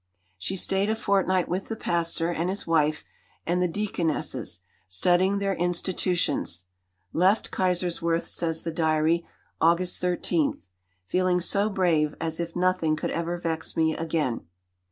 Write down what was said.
She stayed a fortnight with the Pastor and his wife and the Deaconesses, studying their institutions. "Left Kaiserswerth," says the diary (August 13), "feeling so brave as if nothing could ever vex me again."